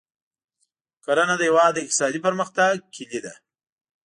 کرنه د هېواد د اقتصادي پرمختګ کلي ده.